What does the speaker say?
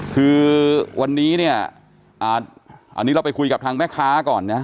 คือวันนี้เนี่ยอันนี้เราไปคุยกับทางแม่ค้าก่อนนะ